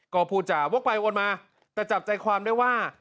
ก็พูดจาวกไปวนมาแต่จับใจความได้ว่า